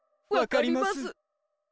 分かります。